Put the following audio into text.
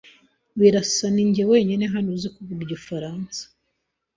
Birasa ninjye wenyine hano uzi kuvuga igifaransa.